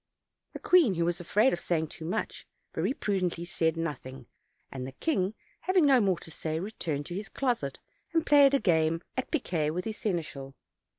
The queen, who was afraid of saying too much, very pru dently said nothing; and the king, having no more to say, returned to his closet and played a game at piquet with his seneschal.